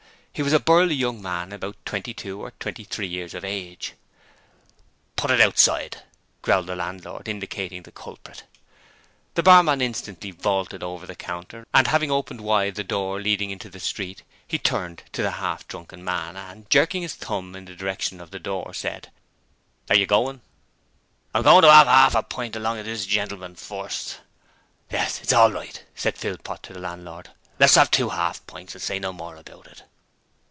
He was a burly young man about twenty two or twenty three years of age. 'Put it outside,' growled the landlord, indicating the culprit. The barman instantly vaulted over the counter, and, having opened wide the door leading into the street, he turned to the half drunken man and, jerking his thumb in the direction of the door, said: 'Are yer goin'?' 'I'm goin' to 'ave 'arf a pint along of this genelman first ' 'Yes. It's all right,' said Philpot to the landlord. 'Let's 'ave two 'arf pints, and say no more about it.'